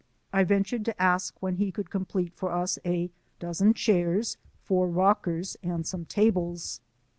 I ventured to ask when he could complete for us a dozen chairs, four rockers, and some tables.